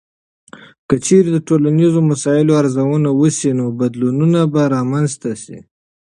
که چیرې د ټولنیزو مسایلو ارزونه وسي، نو بدلونونه به رامنځته سي.